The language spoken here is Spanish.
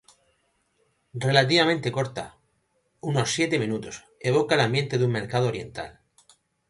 Relativamente corta, unos siete minutos, evoca el ambiente de un mercado oriental.